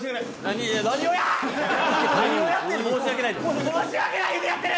何をやってんねん申し訳ないって。